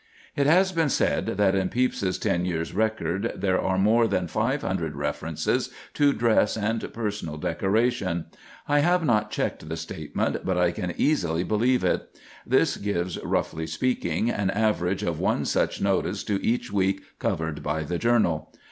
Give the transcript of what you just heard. It has been said that in Pepys's ten years' record there are more than five hundred references to dress and personal decoration. I have not checked the statement, but I can easily believe it. This gives, roughly speaking, an average of one such notice to each week covered by the journal.